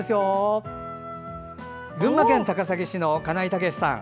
群馬県高崎市の金井猛さん。